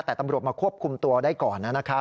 แต่ตำรวจมาควบคุมตัวได้ก่อนนะครับ